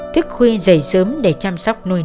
tức khuya dậy sớm để chăm sóc nuôi nơi